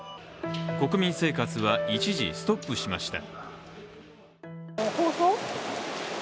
国民生活は一時ストップしました。